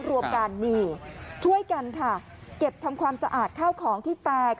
รวมกันนี่ช่วยกันค่ะเก็บทำความสะอาดข้าวของที่แตก